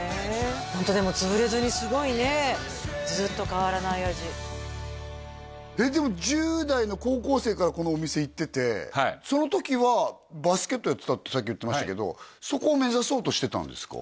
ホントでも潰れずにすごいねずっと変わらない味でも１０代の高校生からこのお店行っててその時はバスケットやってたってさっき言ってましたけどそこを目指そうとしてたんですか？